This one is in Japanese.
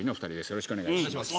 よろしくお願いします。